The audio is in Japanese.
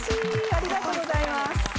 ありがとうございます。